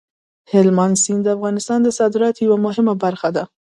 هلمند سیند د افغانستان د صادراتو یوه مهمه برخه ده.